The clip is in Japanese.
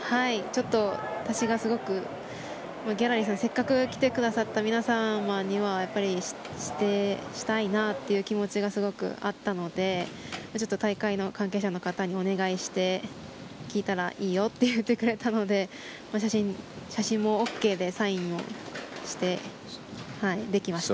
ちょっと私がすごくギャラリーさんせっかく来てくださった皆様にはしたいなという気持ちがすごくあったのでちょっと大会の関係者の方にお願いをして聞いたらいいよと言ってくれたので写真もＯＫでサインをしてできました。